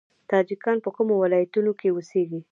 تاجکان په کومو ولایتونو کې اوسیږي؟